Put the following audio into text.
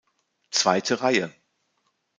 Zweite Reihe.